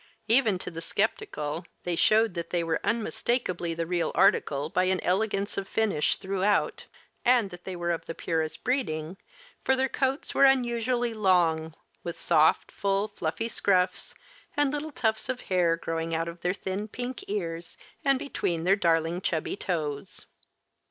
Even to the skeptical, they showed that they were unmistakably the real article by an elegance of finish throughout, and that they were of the purest breeding, for their coats were unusually long, with soft, full, fluffy scruffs and little tufts of hair growing out of their thin pink ears and between their darling chubby toes.